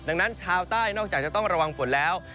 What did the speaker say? ดังนั้นชาวใต้นอกจากจะต้องระวังฝนแล้ว